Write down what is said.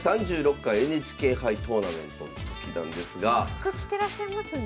こちら和服着てらっしゃいますね。